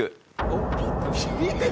おっ？